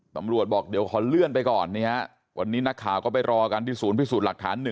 ตำรวจบอกเดี๋ยวขอเลื่อนไปก่อนวันนี้นักข่าวก็ไปรอกันที่ศูนย์พิสูจน์หลักฐาน๑